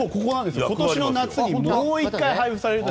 今年の夏にもう１回配布されると。